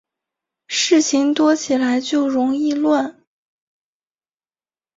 事情多起来就容易乱